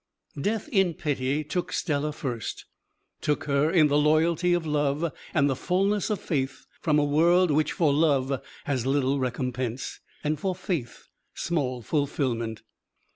Death in pity took Stella first; took her in the loyalty of love and the fulness of faith from a world which for love has little recompense, and for faith small fulfilment.